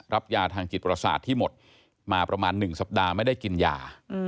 รับยาทางจิตประสาทที่หมดมาประมาณ๑สัปดาห์ไม่ได้กินยา